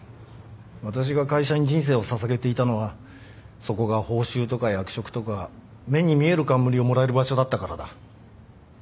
私が会社に人生を捧げていたのはそこが報酬とか役職とか目に見える冠をもらえる場所だったからだ。